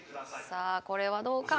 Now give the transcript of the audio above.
さあこれはどうか？